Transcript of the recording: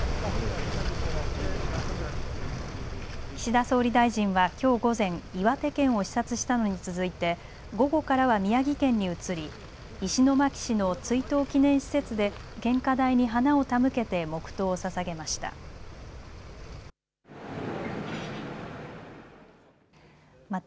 岸田総理大臣はきょう午前、岩手県を視察したのに続いて午後からは宮城県に移り石巻市の追悼祈念施設で献花台に花を手向けて黙とうをささげました。